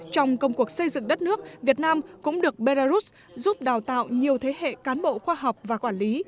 trong công cuộc xây dựng đất nước việt nam cũng được belarus giúp đào tạo nhiều thế hệ cán bộ khoa học và quản lý